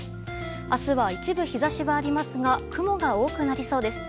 明日は一部日差しはありますが雲が多くなりそうです。